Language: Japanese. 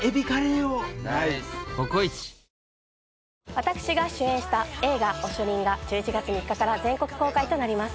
私が主演した映画『おしょりん』が１１月３日から全国公開となります。